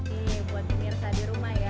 nih buat pemirsa di rumah ya